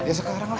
ya sekarang lah